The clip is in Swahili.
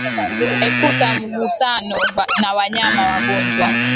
Epusha mgusano na wanyama wagonjwa